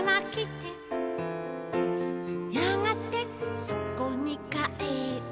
「やがてそこにかえって」